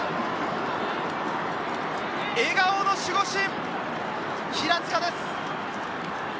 笑顔の守護神・平塚です。